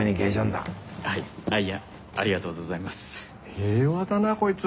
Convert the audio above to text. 平和だなこいつ。